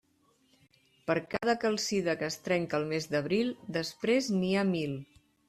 Per cada calcida que es trenca al mes d'Abril, després n'hi ha mil.